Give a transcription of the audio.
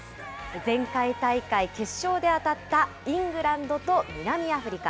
前回大会、決勝で当たったイングランドと南アフリカ。